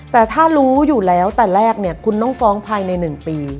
แต่ถ้ารู้อยู่แล้วแต่แรกเนี่ยคุณต้องฟ้องภายใน๑ปี